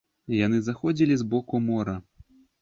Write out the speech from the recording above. Яны заходзілі з боку мора.